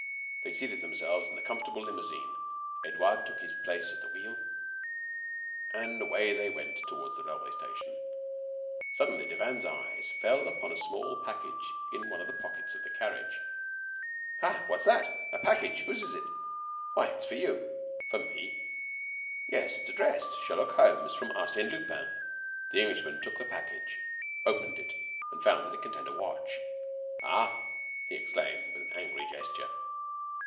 They seated themselves in the comfortable limousine; Edouard took his place at the wheel, and away they went toward the railway station. Suddenly, Devanne's eyes fell upon a small package in one of the pockets of the carriage. "Ah! what is that? A package! Whose is it? Why, it is for you." "For me?" "Yes, it is addressed: Sherlock Holmes, from Arsène Lupin." The Englishman took the package, opened it, and found that it contained a watch. "Ah!" he exclaimed, with an angry gesture.